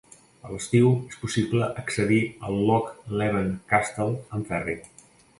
A l'estiu, és possible accedir al Loch Leven Castle amb ferri.